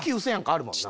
あるもんな。